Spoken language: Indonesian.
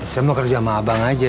saya mau kerja sama abang aja